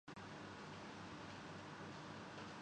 طالب علموں کا قیام و طعام اور تحقیق کا خرچ حکومت اٹھاتی ہے